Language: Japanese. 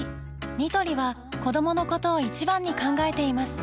ニトリは子どものことを一番に考えています